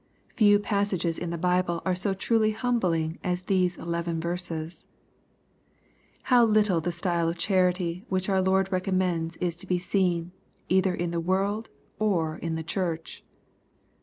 Few passages in the Bible are so truly humbling as these eleven verses. How little of the style of charity which our Lord recommends is to be seen, either in the world or in the Church